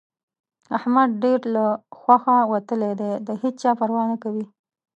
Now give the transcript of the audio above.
احمد ډېر له هوښه وتلی دی؛ د هيچا پروا نه کوي.